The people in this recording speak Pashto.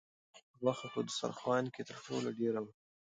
غوښه په دسترخوان کې تر ټولو ډېره وه.